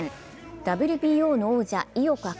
ＷＢＯの王者・井岡一